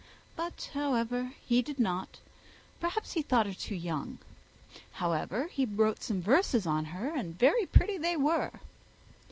But, however, he did not. Perhaps he thought her too young. However, he wrote some verses on her, and very pretty they were."